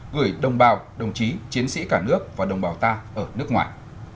gửi đồng bào đồng chí chiến sĩ cả nước và đồng bào ta ở nước ngoài